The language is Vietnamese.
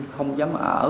không dám ở